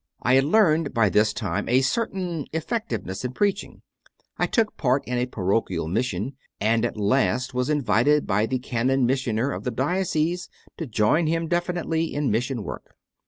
I had learned by this time a certain effectiveness in preaching; I took part in a parochial mission, and at last was invited by the Canon Missioner of the diocese to join him definitely in mission work.